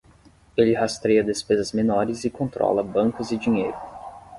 Ele rastreia despesas menores e controla bancos e dinheiro.